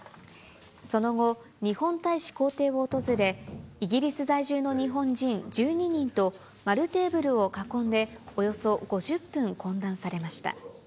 その後、日本大使公邸を訪れ、イギリス在住の日本人１２人と丸テーブルを囲んで、およそ５０分懇談されました。